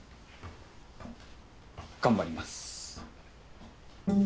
頑張ります。